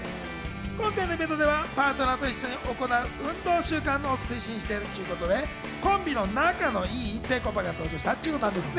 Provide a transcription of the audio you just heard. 今回のイベントではパートナーと一緒に行う運動習慣を推進しているということでコンビの仲のいいぺこぱが登場したんです。